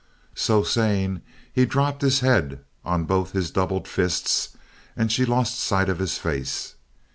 So saying, he dropped his head on both his doubled fists, and she lost sight of his face.